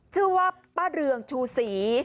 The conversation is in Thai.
ชื่อว่าป้าเรืองชูศรี